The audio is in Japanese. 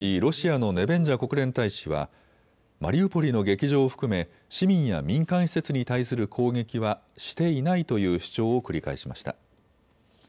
これに対しロシアのネベンジャ国連大使はマリウポリの劇場を含め市民や民間施設に対する攻撃はしていないという主張を繰り返しました。